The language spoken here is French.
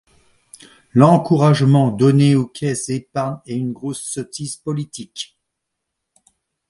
L’encouragement donné aux Caisses d’Épargne est une grosse sottise politique.